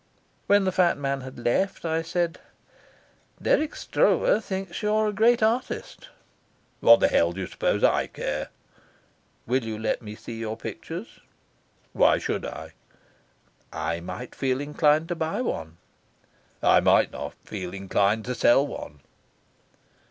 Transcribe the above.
When the fat man had left I said: "Dirk Stroeve thinks you're a great artist." "What the hell do you suppose I care?" "Will you let me see your pictures?" "Why should I?" "I might feel inclined to buy one." "I might not feel inclined to sell one."